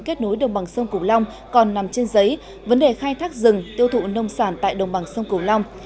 kết nối đồng bằng sông cửu long còn nằm trên giấy vấn đề khai thác rừng tiêu thụ nông sản tại đồng bằng sông cửu long